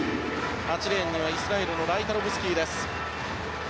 ８レーンにはイスラエルのライタロブスキーです。